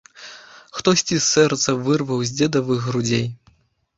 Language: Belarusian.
Хтосьці сэрца вырваў з дзедавых грудзей.